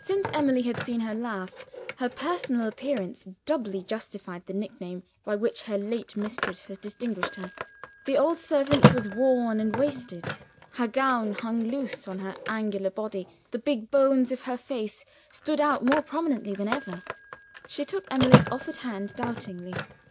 Since Emily had seen her last, her personal appearance doubly justified the nickname by which her late mistress had distinguished her. The old servant was worn and wasted; her gown hung loose on her angular body; the big bones of her face stood out, more prominently than ever. She took Emily's offered hand doubtingly.